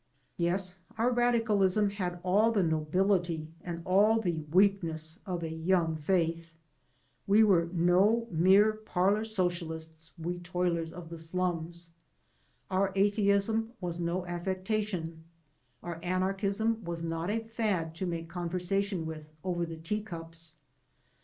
Yes, our radicalism had all the nobility and all the weaknesses of a young faith. We were no mere parlor 155 AN AMERICAN IN THE MAKING socialists, we toilers of the slums. Our atheism was no affectation; our anarchism was not a fad to make conversation with over the tea cups.